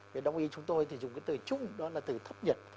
vì đồng ý chúng tôi thì dùng cái từ chung đó là từ thấp nhiệt